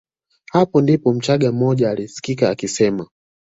Hapo ndipo mchagga mmoja alisikika akisema